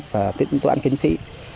và tính toán kiến trị